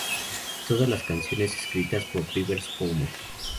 Todas las canciones escritas por Rivers Cuomo.